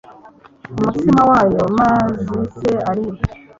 Umutsima wayo mazi se uri he